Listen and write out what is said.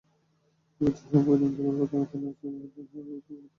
অভিযোগ সম্পর্কে জানতে পতেঙ্গা থানার এসআই মাজহারুল হকের সঙ্গে যোগাযোগের চেষ্টা করা হয়।